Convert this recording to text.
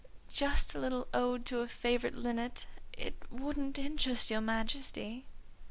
"Just a little ode to a favourite linnet. It wouldn't interest your Majesty."